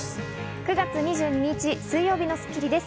９月２２日、水曜日の『スッキリ』です。